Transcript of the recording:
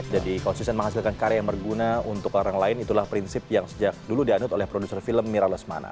jadi konsisten menghasilkan karya yang berguna untuk orang lain itulah prinsip yang sejak dulu dianut oleh produser film mira lesmana